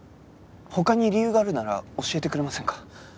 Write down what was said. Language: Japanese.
他に理由があるなら教えてくれませんか？